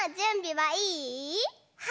はい！